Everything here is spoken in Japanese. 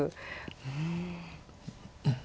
うん。